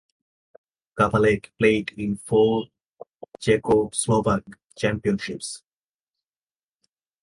Kavalek played in four Czechoslovak championships.